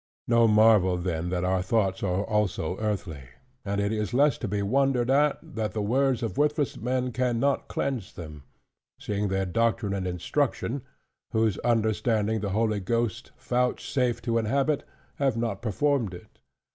No marvel then that our thoughts are also earthly: and it is less to be wondered at, that the words of worthless men can not cleanse them: seeing their doctrine and instruction, whose understanding the Holy Ghost vouchsafed to inhabit, have not performed it.